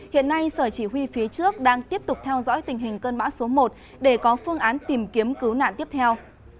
hiện nay sở chỉ huy phía trước đang tiếp tục theo dõi tình hình cơn bão số một để có phương án tìm kiếm cứu nạn tiếp theo